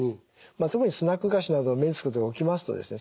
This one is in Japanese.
特にスナック菓子などを目につくところへ置きますとですね